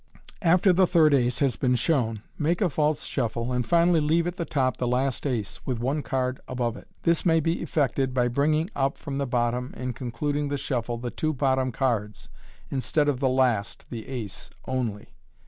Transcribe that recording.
After the third ace has been shown, make a false shuffle, and finally leave at the top tiie last ace, with one card above it. This may be effected by bringing up from the bottom in concluding the shuffle the two bottom cards, instead of the last (the ace) only.